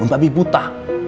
mendarah daging babi buta